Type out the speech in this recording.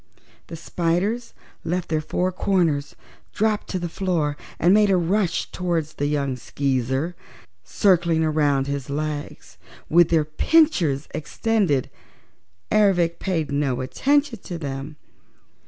The spiders left their four corners, dropped to the floor and made a rush toward the young Skeezer, circling around his legs with their pinchers extended. Ervic paid no attention to them.